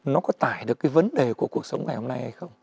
nó có tải được cái vấn đề của cuộc sống ngày hôm nay hay không